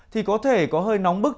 thì có thể có hơi nóng bức